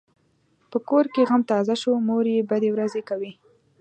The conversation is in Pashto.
په کور کې غم تازه شو؛ مور یې بدې ورځې کوي.